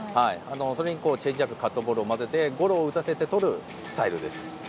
それにチェンジアップカットボールをまぜてゴロを打たせてとるスタイルです。